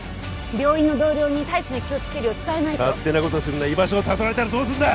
病院の同僚に大使に気をつけるよう伝えないと勝手なことするな居場所をたどられたらどうすんだ